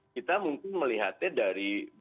kita mungkin melihatnya dari